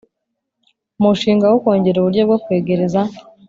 Umushinga wo kongera uburyo bwo kwegereza